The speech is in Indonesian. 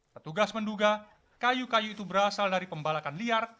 petugas menduga kayu kayu itu berasal dari pembalakan liar